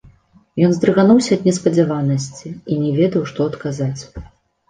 Ён здрыгануўся ад неспадзяванасці і не ведаў, што адказаць.